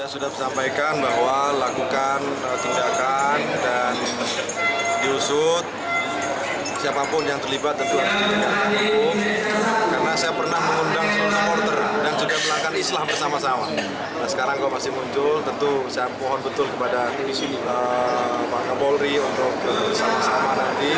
sekarang kalau masih muncul tentu saya mohon betul kepada timisi bangka bolri untuk bersama sama nanti